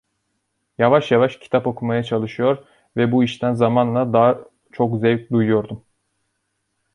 Yavaş yavaş kitap okumaya çalışıyor ve bu işten zamanla daha çok zevk duyuyordum.